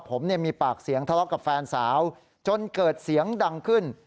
ผมมีปากเสียงทะเลาะกับแฟนสาวจนเกิดเสียงดังขึ้น